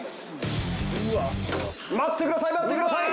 待ってください待ってください。